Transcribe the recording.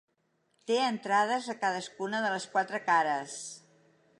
Té entrades a cadascuna de les quatre cares.